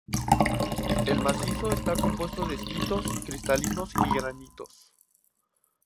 El macizo está compuesto de esquistos cristalinos y granitos.